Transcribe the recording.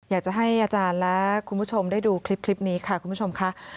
อยากจะให้อาจารย์และคุณผู้ชมได้ดูคลิปนี้ค่ะคุณผู้ชมค่ะ